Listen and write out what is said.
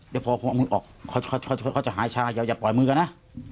เดี๋ยวพอผมเอามือออกเขาจะหาชาอย่าปล่อยมือกันนะ